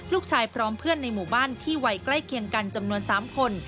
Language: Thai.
พร้อมเพื่อนในหมู่บ้านที่วัยใกล้เคียงกันจำนวน๓คน